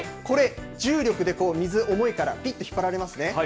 これ、重力で水、重いからぴって引っ張られますね。